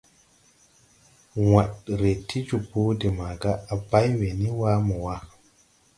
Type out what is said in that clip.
Wããd ree ti jòbō de màgà à bày wɛ ni wa mo wa.